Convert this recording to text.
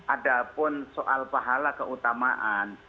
adapun soal pahala keutamaan